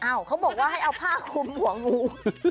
เขาบอกว่าให้เอาผ้าคุมหัวงู